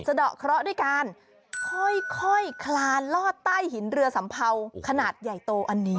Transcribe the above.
ดอกเคราะห์ด้วยการค่อยคลานลอดใต้หินเรือสัมเภาขนาดใหญ่โตอันนี้